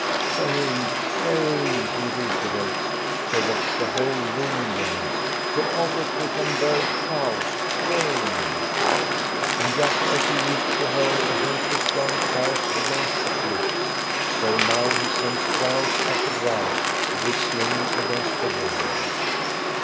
" Shame, shame 1 " he reiterates, so that the whole room rings, —" to offer Christian Bergh crows ! Shame 1 " And just as he used to hurl the helpless young crows against the cliffs, so now he sends grouse after grouse whizzing against the wall.